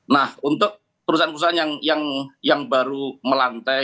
nah untuk perusahaan perusahaan yang baru melantai